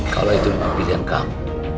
kalau itu pilihan kamu